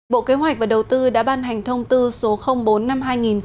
bộ kế hoạch và đầu tư đã ban hành thông tư số bốn năm hai nghìn một mươi chín